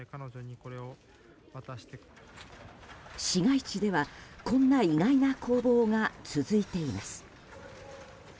市街地ではこんな意外な攻防が続いています。